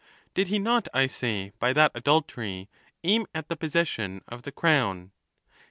343 did he not, I say, by that adultery, aim at the possession of the crown ?